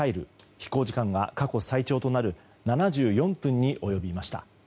飛行時間は過去最長となる７４分に及びました。